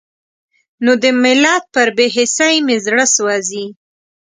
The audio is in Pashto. نو د ملت پر بې حسۍ مې زړه سوزي.